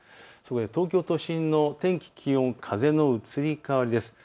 東京都心の天気、気温、風の移り変わりです。